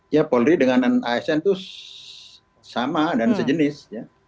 ya polri dengan asn itu sama dan sejenis